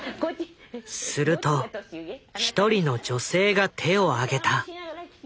すると一人の女性が手を挙げた。